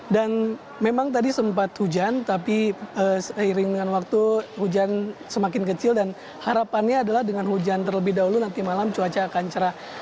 dan memang tadi sempat hujan tapi seiring dengan waktu hujan semakin kecil dan harapannya adalah dengan hujan terlebih dahulu nanti malam cuaca akan cerah